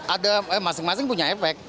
ada masing masing punya efek